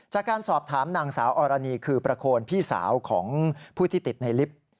จากการสอบถามนางสาวอรณีคือประโคนพี่สาวของผู้ที่ติดในลิฟต์